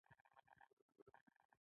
د زغرو غوړي د روغتیا لپاره دي.